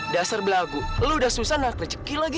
dasar belagu lu udah susah nak leceki lagi